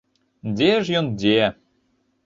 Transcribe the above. Дзе ж ён, дзе!